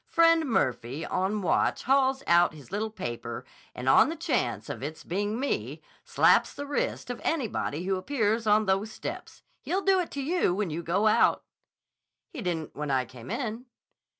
Friend Murphy on watch hauls out his little paper and on the chance of its being me, slaps the wrist of anybody who appears on those steps. He'll do it to you when you go out." "He didn't when I came in."